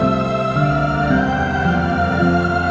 aku mau denger